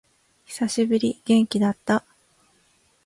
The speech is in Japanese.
久しぶり。元気だった？